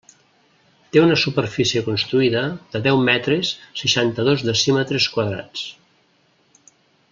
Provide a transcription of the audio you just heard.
Té una superfície construïda de deu metres, seixanta-dos decímetres quadrats.